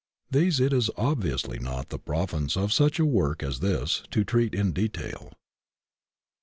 These it is obviously not the province of such a work as this to treat in detail.